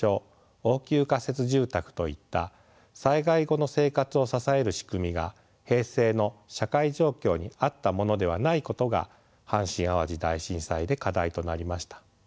応急仮設住宅といった災害後の生活を支える仕組みが平成の社会状況に合ったものではないことが阪神・淡路大震災で課題となりました。